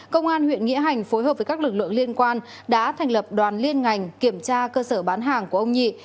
công an huyện nghĩa hành phối hợp với các lực lượng liên quan đã thành lập đoàn liên ngành kiểm tra cơ sở bán hàng của ông nhị